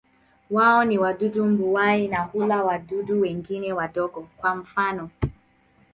Wao ni wadudu mbuai na hula wadudu wengine wadogo, kwa mfano.